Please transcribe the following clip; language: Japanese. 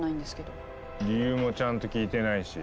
理由もちゃんと聞いてないし。